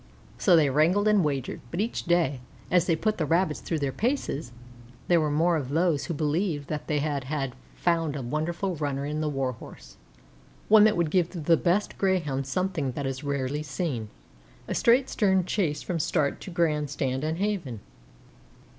So they wrangled and wagered, but each day, as they put the Rabbits through their paces, there were more of those who believed that they had found a wonderful runner in the Warhorse, one that would give the best Greyhounds something that is rarely seen, a straight stern chase from Start to Grand Stand and Haven.